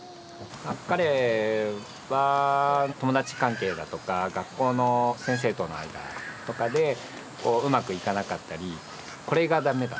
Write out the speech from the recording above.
彼は友達関係だとか学校の先生との間とかでこううまくいかなかったり「これが駄目だ」